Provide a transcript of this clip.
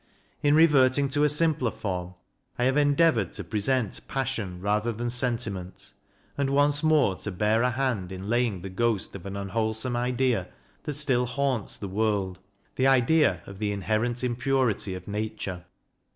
In reverting to a simpler form I have endeavoured to present passion rather than sentiment, and once more to bear a hand in laying the ghost of an un wholesome idea that still haunts the world the idea of the inherent impurity of Nature.